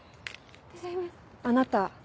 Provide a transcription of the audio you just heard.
あなた